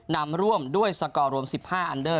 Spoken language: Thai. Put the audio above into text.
นำร่วมด้วยสกอร์รวม๑๕อันเดอร์